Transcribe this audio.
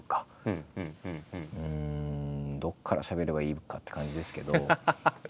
うんどこからしゃべればいいのかって感じですけど。